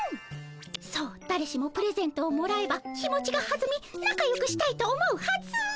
そうだれしもプレゼントをもらえば気持ちがはずみなかよくしたいと思うはず。